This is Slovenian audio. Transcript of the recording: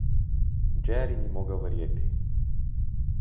Jerry ni mogel verjeti.